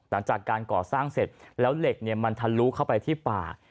หลังจากการก่อสร้างเสร็จแล้วเหล็กมันทะลุเข้าไปที่ป่า